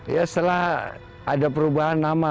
ya setelah ada perubahan nama